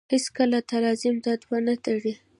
هېڅکله تلازم دا دوه نه تړي.